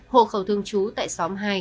hộ khẩu thương chú tại xóm hai